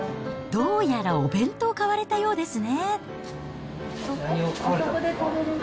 どうやらお弁当を買われたようですね。